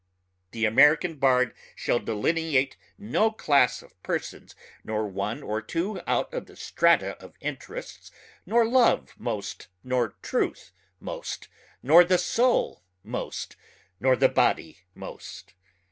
The American bard shall delineate no class of persons nor one or two out of the strata of interests nor love most nor truth most nor the soul most nor the body most